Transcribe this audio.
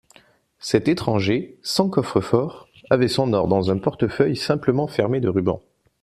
Cet étranger, sans coffre-fort, avait son or dans un portefeuille, simplement fermé de rubans.